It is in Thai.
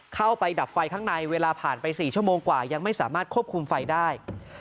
เข้าไปดับไฟข้างในเวลาผ่านไป๔ชั่วโมงกว่ายังไม่สามารถควบคุมไฟได้